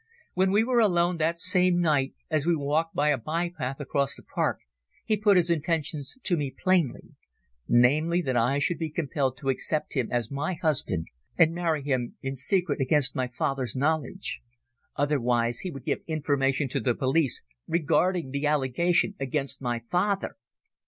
When we were alone that same night as we walked by a bypath across the park he put his intentions to me plainly namely, that I should be compelled to accept him as my husband, and marry him in secret against my father's knowledge. Otherwise he would give information to the police regarding the allegation against my father."